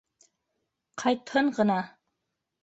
Ҡайтһын ғына!